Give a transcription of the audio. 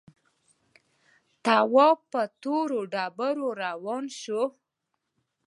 تواب پر تورو ډبرو روان شو.